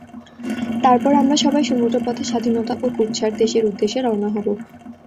তারপর আমরা সবাই সমুদ্রপথে স্বাধীনতা ও কুৎসার দেশের উদ্দেশ্যে রওনা হব।